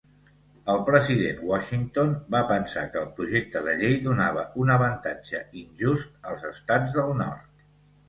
El president Washington va pensar que el projecte de llei donava un avantatge injust als estats del nord.